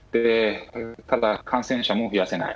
ただ感染者も増やせない。